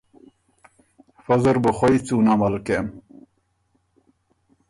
فۀ زر بُو خوئ څُون عمل کېم۔